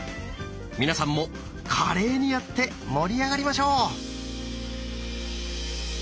皆さんも華麗にやって盛り上がりましょう！